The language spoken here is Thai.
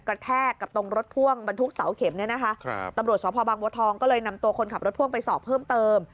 แทกกับตรงรถพ่วงบรรทุกเสาเข็มเนี่ยนะคะครับตำรวจสพบางบัวทองก็เลยนำตัวคนขับรถพ่วงไปสอบเพิ่มเติม